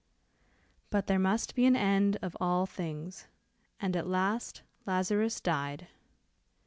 But there must be an end of all things, and at last Lazarus died.